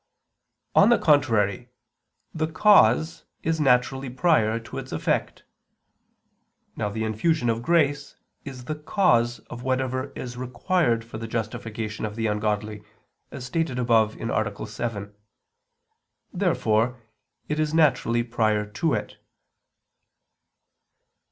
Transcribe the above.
On the contrary, The cause is naturally prior to its effect. Now the infusion of grace is the cause of whatever is required for the justification of the ungodly, as stated above (A. 7). Therefore it is naturally prior to it.